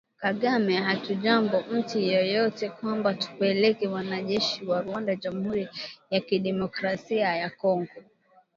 Kagame: Hatujaomba mtu yeyote kwamba tupeleke wanajeshi wa Rwanda Jamuhuri ya Kidemokrasia ya Kongo